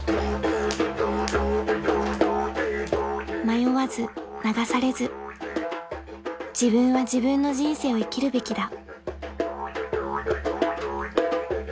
［迷わず流されず自分は自分の人生を生きるべきだ］